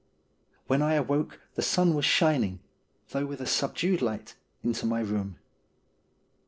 When I awoke the sun was shining, though with a subdued light, into my room.